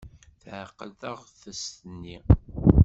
Teɛqel taɣtest-nni.